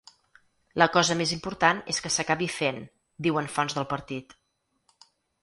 La cosa més important és que s’acabi fent, diuen fonts del partit.